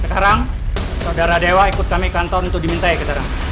sekarang saudara dewa ikut kami ke kantor untuk diminta ya ketara